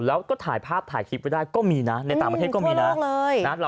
แล้วก็ถ่ายภาพถ่ายคลิปไว้ได้ก็มีนะในต่างประเทศก็มีนะ